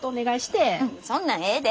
そんなんええで。